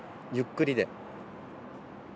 ゆっくりで。